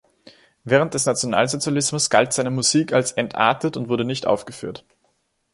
Während des Nationalsozialismus galt seine Musik als „entartet“ und wurde nicht aufgeführt.